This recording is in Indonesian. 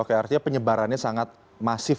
oke artinya penyebarannya sangat masif